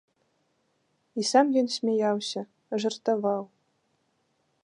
І сам ён смяяўся, жартаваў.